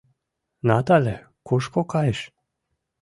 Натале кушко кайыш?